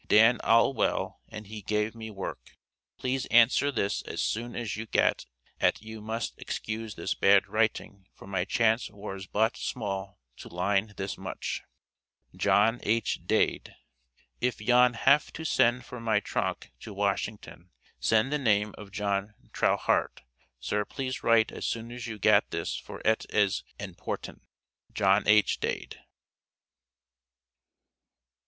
Dan al well and he gave me werke. Pleas ancer this as soon as you gat et you must excues this bad riting for my chance wars bot small to line this mouch, JOHN H. DADE. If yon haf to send for my tronke to Washington send the name of John Trowharte. Sir please rite as soon as you gat this for et as enporten. JOHN H. DADE.